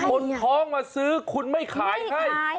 เฮ้ยไม่หลวงท้องมาซื้อคุณไม่ขายครับ